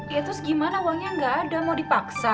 ya terus gimana uangnya nggak ada mau dipaksa